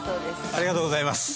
ありがとうございます。